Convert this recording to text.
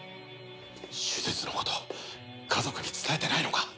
手術のこと家族に伝えてないのか？